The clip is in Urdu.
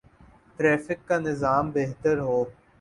ٹریفک کا نظام بہتر ہو۔